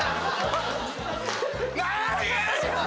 何！？